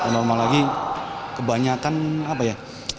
normal lagi kebanyakan apa ya